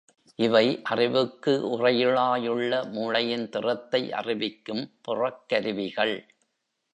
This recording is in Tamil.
இவை, அறிவுக்கு உறையுளாயுள்ள மூளையின் திறத்தை அறிவிக்கும் புறக்கருவிகள்.